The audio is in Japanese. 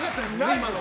今の。